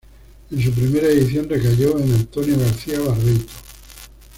En su primera edición recayó en Antonio García Barbeito.